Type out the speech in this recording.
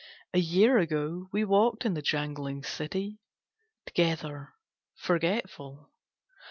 ... A year ago we walked in the jangling city Together .... forgetful.